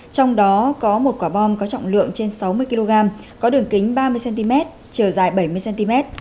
trong đó có một quả bom có trọng lượng trên sáu mươi kg có đường kính ba mươi cm chiều dài bảy mươi cm